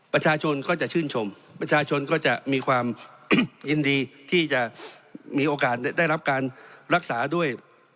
ประชาชนก็จะชื่นชมประชาชนก็จะมีความยินดีที่จะมีโอกาสได้รับการรักษาด้วย